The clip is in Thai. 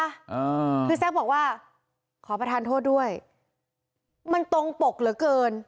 อ่าคือแซคบอกว่าขอประทานโทษด้วยมันตรงปกเหลือเกิน